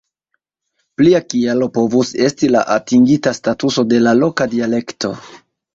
Plia kialo povus esti la atingita statuso de la loka dialekto.